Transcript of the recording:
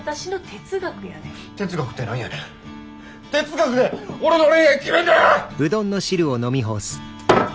哲学で俺の恋愛決めんな！